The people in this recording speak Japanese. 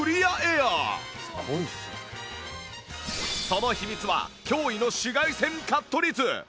その秘密は驚異の紫外線カット率